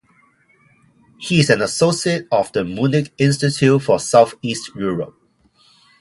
He is an associate of the Munich Institute for Southeast Europe.